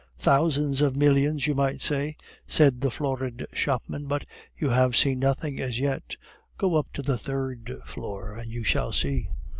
"Thousands of millions, you might say," said the florid shopman; "but you have seen nothing as yet. Go up to the third floor, and you shall see!"